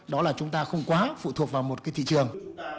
đó là chúng ta không quá phụ thuộc vào một cái thị trường